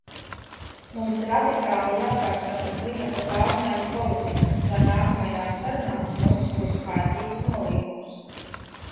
Mums radikāli jāpārskata klimata pārmaiņu politika, lai nākamajās sarunās mums būtu kārtīgs nolīgums.